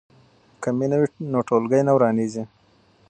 که مینه وي نو ټولګی نه ورانیږي.